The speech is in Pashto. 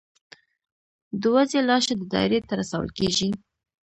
د وزې لاشه د دایرې ته رسول کیږي.